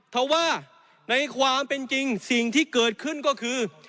เพราะว่าในความเป็นจริงสิ่งที่เกิดขึ้นก็คือ